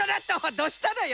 どうしたのよ？